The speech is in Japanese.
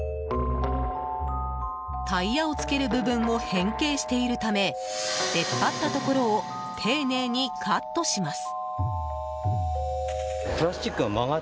タイヤを付ける部分も変形しているため出っ張ったところを丁寧にカットします。